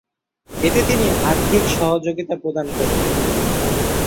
এতে তিনি আর্থিক সহযোগিতা প্রদান করতেন।